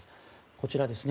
こちらですね